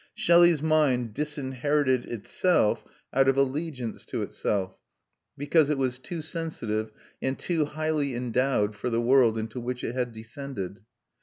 Shelley's mind disinherited itself out of allegiance to itself, because it was too sensitive and too highly endowed for the world into which it had descended.